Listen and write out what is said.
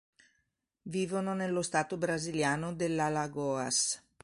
Vivono nello stato brasiliano dell'Alagoas.